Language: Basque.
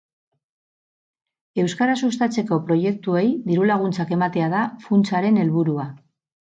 Euskara sustatzeko proiektuei diru-laguntzak ematea da funtsaren helburua.